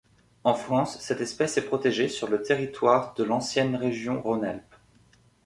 En France cette espèce est protégée sur le territoire de l'ancienne région Rhône-Alpes.